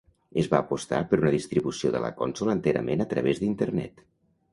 Es va apostar per una distribució de la consola enterament a través d'Internet.